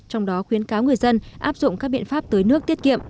trong đó khuyến cáo người dân áp dụng các biện pháp tới nước tiết kiệm